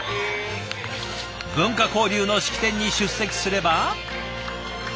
文化交流の式典に出席すれば。